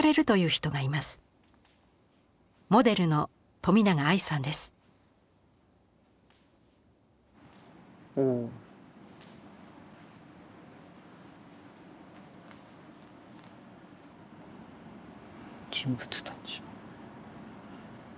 「人物たち」。